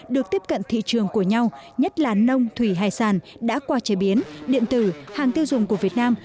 được tiếp cận thị trường của nhau nhất là nông thủy hải sản đã qua chế biến điện tử hàng tiêu dùng của việt nam